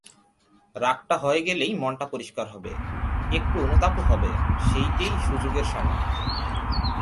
রাগটা হয়ে গেলেই মনটা পরিষ্কার হবে– একটু অনুতাপও হবে– সেইটেই সুযোগের সময়।